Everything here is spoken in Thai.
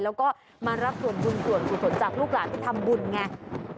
แล้วก็มารับส่วนบุญส่วนกุศลจากลูกหลานที่ทำบุญไง